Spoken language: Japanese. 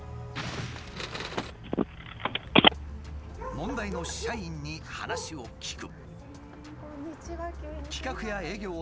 問題の社員に話を聞く。